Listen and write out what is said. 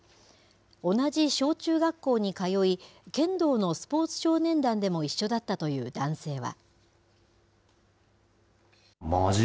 同じ小中学校に通い、剣道のスポーツ少年団でも一緒だったという男性は。